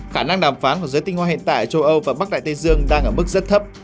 khả năng đàm phán của giới tinh hoa hiện tại châu âu và bắc đại tây dương đang ở mức rất thấp